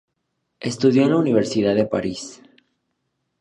Estudió en la Universidad de París.